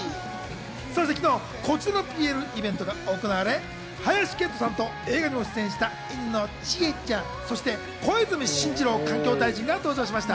昨日、こちらのＰＲイベントが行われ、林遣都さんと映画で出演した犬のちえちゃん、小泉進次郎環境大臣が登場しました。